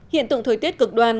hiện tượng thời tiết cực đoan